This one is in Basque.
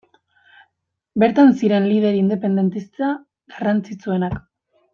Bertan ziren lider independentista garrantzitsuenak.